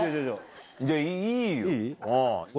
じゃあいいよ！